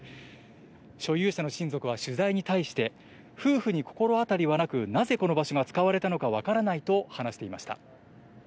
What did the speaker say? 所有者の親族は取材に対して、夫婦に心当たりはなく、なぜこの場所が使われたのか分からないと話していました。